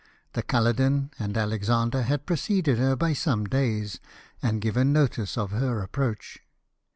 The CuUoden and Alexander had preceded her by some days, and given notice of her approach.